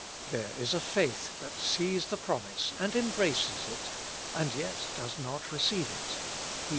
There is a faith that sees the promise and embraces it, and yet does not receive it (Heb.